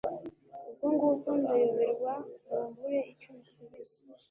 ubwo ngubwo ndayoberwa ngo mbure icyo musubiza